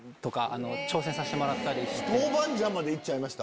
豆板醤までいっちゃいました